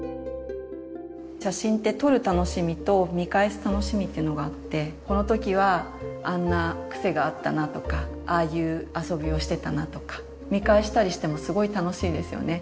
写真って撮る楽しみと見返す楽しみっていうのがあってこの時はあんな癖があったなとかああいう遊びをしてたなとか見返したりしてもすごい楽しいですよね。